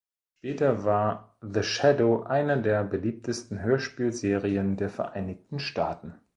Später war "The Shadow" einer der beliebtesten Hörspielserien der Vereinigten Staaten.